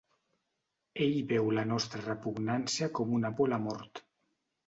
Ell veu la nostra repugnància com una por a la mort.